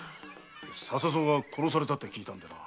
笹蔵が殺されたって聞いたんだ。